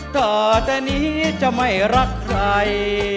ต่อแต่นี้จะไม่รักใคร